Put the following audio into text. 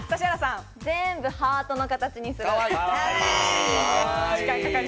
全部ハートの形にする。